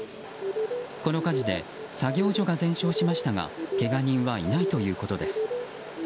この火事で作業所が全焼しましたがけが人はいないということです。